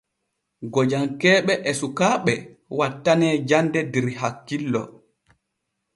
Gojankeeji e sukaaɓe wattanee jande der hakkillo.